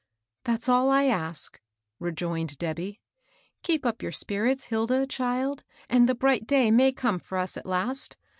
« That's all I ask," rejoined Debby. " Keep up your spirits, Hilda, child, and the bright day may come for us at last.